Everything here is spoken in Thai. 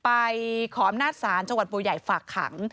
ไปขออำนาจศาลจังหวัดบัวใหญ่ฝากขัง